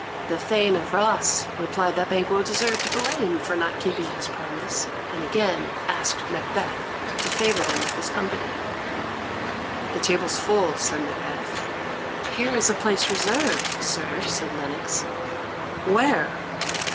The Thane of Ross replied that Banquo deserved blame for not keeping his promise, and again asked Macbeth to favour them with his company. "The table's full," said Macbeth. "Here is a place reserved, sir," said Lennox. "Where?"